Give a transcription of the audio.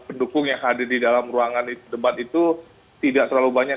pendukung yang hadir di dalam ruangan debat itu tidak terlalu banyak